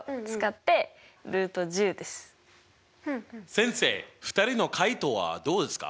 先生２人の解答はどうですか？